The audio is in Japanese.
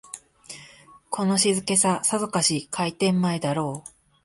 この静けさ、さぞかし開店前だろう